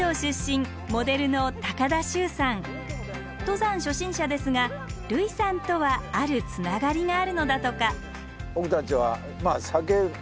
登山初心者ですが類さんとはあるつながりがあるのだとか。